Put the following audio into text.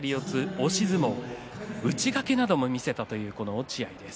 押し相撲、内掛けなども見せた落合です。